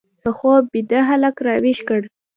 په خوب بیده هلک راویښ کړ